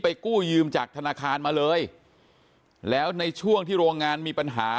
กู้ยืมจากธนาคารมาเลยแล้วในช่วงที่โรงงานมีปัญหา